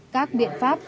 các biện pháp